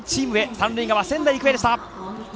三塁側、仙台育英でした。